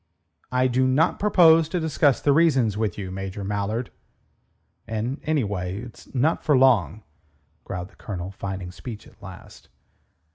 "I do not propose to discuss the reasons with you, Major Mallard." "And, anyway, it's not for long," growled the Colonel, finding speech at last.